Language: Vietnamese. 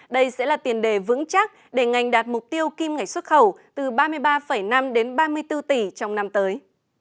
đây sẽ là tiền đề vững chắc để ngành đạt mục tiêu kim ngạch xuất khẩu từ ba mươi ba năm đến ba mươi bốn tỷ trong năm tới